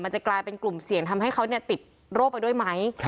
จะกลายเป็นกลุ่มเสี่ยงทำให้เขาติดโรคไปด้วยไหม